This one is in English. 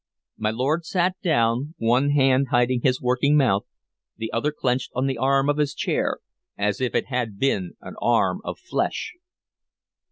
My lord sat down, one hand hiding his working mouth, the other clenched on the arm of his chair as if it had been an arm of flesh.